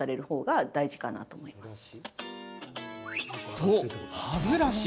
そう、歯ブラシ。